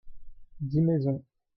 dix maisons.